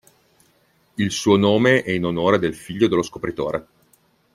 Il suo nome è in onore del figlio dello scopritore.